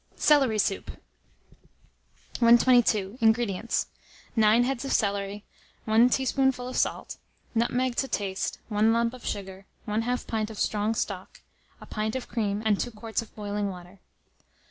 CELERY SOUP. 122. INGREDIENTS. 9 heads of celery, 1 teaspoonful of salt, nutmeg to taste, 1 lump of sugar, 1/2 pint of strong stock, a pint of cream, and 2 quarts of boiling water.